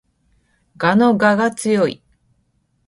蛾の我が強い